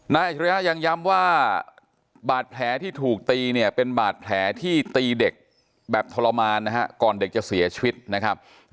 อาจริยะยังย้ำว่าบาดแผลที่ถูกตีเนี่ยเป็นบาดแผลที่ตีเด็กแบบทรมานนะฮะก่อนเด็กจะเสียชีวิตนะครับ